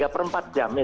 tiga per empat jam ya